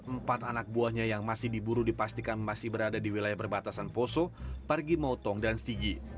empat anak buahnya yang masih diburu dipastikan masih berada di wilayah perbatasan poso pargi motong dan stigi